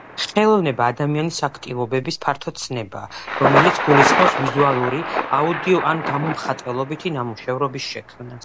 ხელოვნება — ადამიანის აქტივობების ფართო ცნება, რომელიც გულისხმობს ვიზუალური, აუდიო ან გამომხატველობითი ნამუშევრების შექმნას.